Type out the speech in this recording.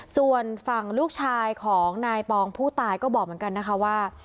ส่วนฝั่งลูกชายของนายปองผู้ตายก็บอกเหมือนกันนะคะว่า